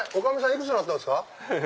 いくつになったんですか？